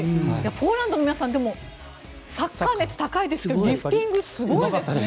ポーランドの皆さんでも、サッカー熱高いですがリフティングすごいですね。